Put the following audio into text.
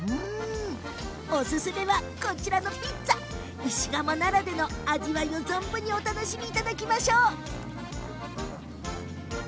おすすめはピッツァ石窯ならではの味わいを存分にお楽しみいただきましょう。